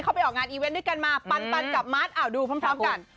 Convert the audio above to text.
เขาไปออกงานนึกกันมาปันปันกับมาร์ชอ่าดูพร้อมกัน